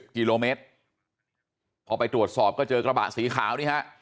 กิโลเมตรพอไปตรวจสอบก็เจอกระบะสีขาวนี่ฮะ